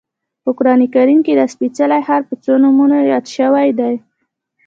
په قران کریم کې دا سپېڅلی ښار په څو نومونو یاد شوی دی.